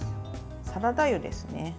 サラダ油ですね。